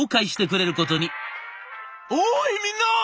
「おいみんな！